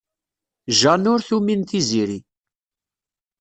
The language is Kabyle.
Jane ur tumin Tiziri.